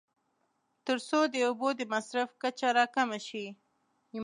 تر څو د اوبو د مصرف کچه راکمه شي.